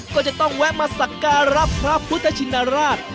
ก็จะต้องแวะมาสักการรัพย์พระพุทธชินตราศน์